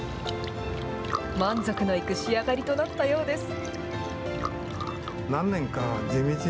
満足のいく仕上がりとなったようです。